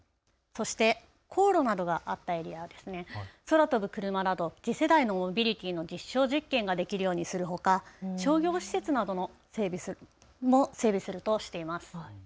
そして高炉などがあったエリア、空飛ぶ車など次世代のモビリティの実証実験ができるようにするほか商業施設なども整備するとしています。